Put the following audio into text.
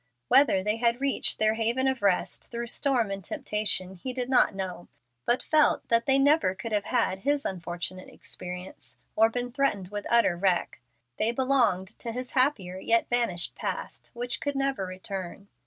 Whether they had reached their haven of rest through storm and temptation, he did not know, but felt that they never could have had his unfortunate experience or been threatened with utter wreck. They belonged to his happier yet vanished past, which could never return.